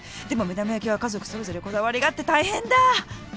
でも目玉焼きは家族それぞれこだわりがあって大変だ！